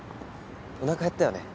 おなか減ったよね？